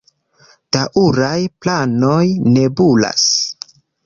Daŭraj planoj nebulas.